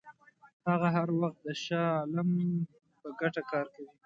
هغه هر وخت د شاه عالم په ګټه کار کوي.